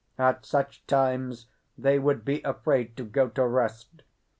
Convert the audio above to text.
At such times they would be afraid to go to rest.